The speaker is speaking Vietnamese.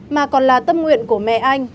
mà còn là tâm nguyện của mẹ anh